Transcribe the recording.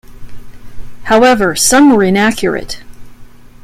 However, some are inaccurate.